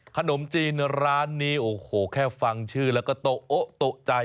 ขนมจีนร้านนี้โอ้โหแค่ฟังชื่อแล้วก็โต๊ะโอ๊ะโต๊ะใจ